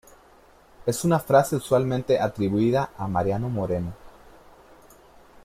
Es una frase usualmente atribuida a Mariano Moreno.